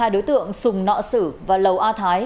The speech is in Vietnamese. hai đối tượng sùng nọ sử và lầu a thái